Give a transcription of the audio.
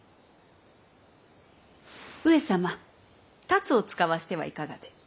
上様龍をつかわしてはいかがで？